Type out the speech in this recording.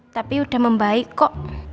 tapi udah membaik kok